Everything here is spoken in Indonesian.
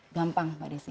gampang pada sih